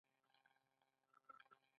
انقلاب له خپل ټول زور سره پیل شو.